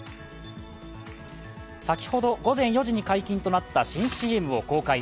先ほど午前４時に解禁となった新ＣＭを公開。